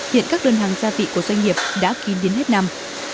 hiện các đơn hàng gia vị của doanh nghiệp đã kín đến hết năm